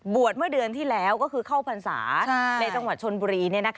เมื่อเดือนที่แล้วก็คือเข้าพรรษาในจังหวัดชนบุรี